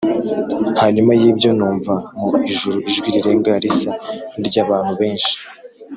Hanyuma y’ibyo numva mu ijuru ijwi rirenga risa n’iry’abantu benshi